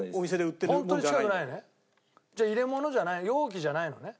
じゃあ入れ物じゃ容器じゃないのね？